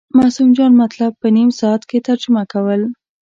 معصوم جان مطلب په نیم ساعت کې ترجمه کول.